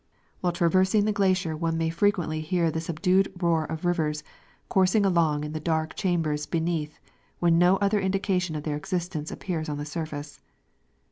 While traversing the glacier one may frequently hear the subdued roar of rivers coursing along in the dark chambers beneath when no other indication of their existence appears at the surface.